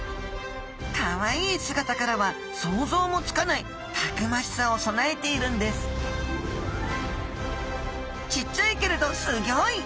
かわいい姿からは想像もつかないたくましさを備えているんですちっちゃいけれどすギョい！